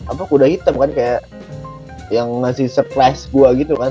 apa kuda hitam kan kayak yang ngasih surprise gue gitu kan